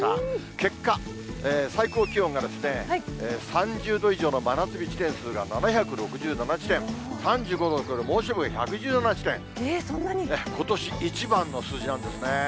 結果、最高気温が３０度以上の真夏日地点数が７６７地点、３５度を超える猛暑日が１１７地点、ことし一番の数字なんですね。